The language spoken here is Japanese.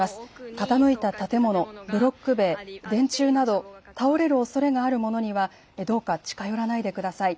傾いた建物、ブロック塀、電柱など倒れるおそれがあるものにはどうか近寄らないでください。